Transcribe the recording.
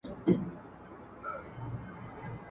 یو څه یاران یو څه غونچې ووینو.